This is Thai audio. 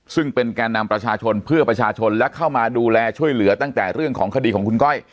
ซึ่งเป็นแก่นำประชาชนเพื่อประชาชนและเข้ามาดูแลช่วยเหลือตั้งแต่เรื่องของคดีของคุณก้อย